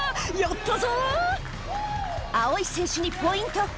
青い選手にポイント。